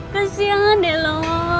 kasihan deh lo